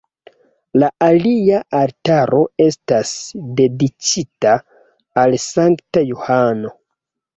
La alia altaro estas dediĉita al Sankta Johano.